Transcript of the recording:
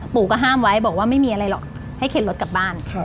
ปู่ก็ห้ามไว้บอกว่าไม่มีอะไรหรอกให้เข็นรถกลับบ้าน